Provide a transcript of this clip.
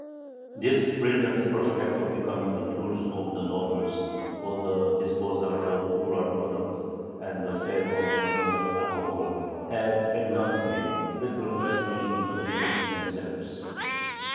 This brilliant prospect of becoming the tools of the nobles for the disposal of rural products and the sale of manorial alcohol had evidently little fascination for the Jews themselves.